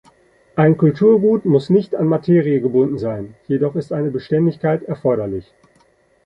Ein Kulturgut muss nicht an Materie gebunden sein, jedoch ist eine Beständigkeit erforderlich.